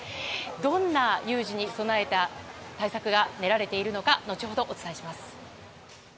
どんな有事に備えた対策が練られているのか後ほどお伝えします。